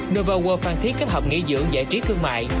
nova world phan thiết kết hợp nghỉ dưỡng giải trí thương mại